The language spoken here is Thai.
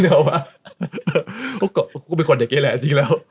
โอ้โฮแบบกูเป็นคนเด็กเองแหละจริงแล้ว